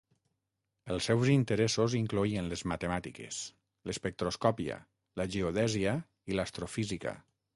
Els seus interessos incloïen les matemàtiques, l'espectroscòpia, la geodèsia i l'astrofísica.